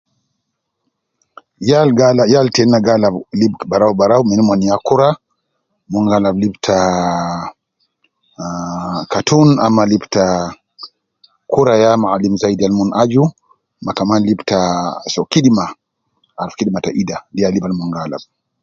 Yal ga la yal tena gi alab lib barau barau ,min omon ya kura, mon gi alab lib taa, ah cartoon ama lib taa kura ya mualim zaidi al omon aju, ma kaman lib taa, soo kidima ,aruf kidima ta ida, de ya lib al omon gi alab